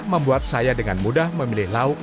membuat saya dengan mudah memilih lauk